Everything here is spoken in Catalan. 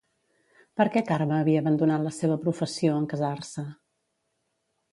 Per què Carme havia abandonat la seva professió en casar-se?